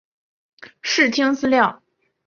视听资料